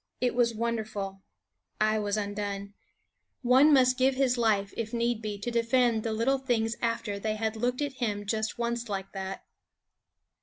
It was wonderful; I was undone. One must give his life, if need be, to defend the little things after they had looked at him just once like that.